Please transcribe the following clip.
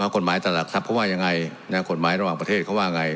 กฎหมายตลาดทรัพย์เขาว่าอย่างไรกฎหมายระหว่างประเทศเขาว่าอย่างไร